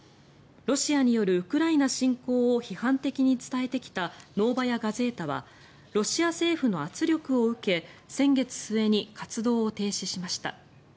ロシアによるウクライナ侵攻を批判的に伝えてきたノーバヤ・ガゼータはロシア政府の圧力を受け先月末に活動を停止しました。